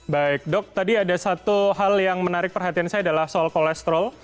baik dok tadi ada satu hal yang menarik perhatian saya adalah soal kolesterol